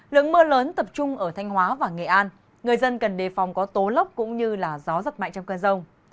lượng mưa lớn tập trung ở thanh hóa và nghệ an người dân cần đề phòng có tố lốc cũng như gió giật mạnh trong cơn rông